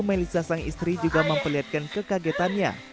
melissa sang istri juga memperlihatkan kekagetannya